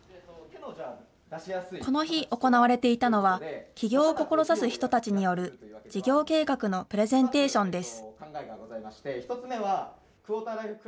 この日、行われていたのは、起業を志す人たちによる事業計画のプレゼンテーションです。